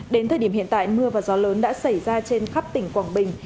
đến thời điểm hiện tại mưa và gió lớn đã xảy ra trên khắp tỉnh quảng bình